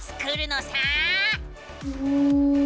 うん。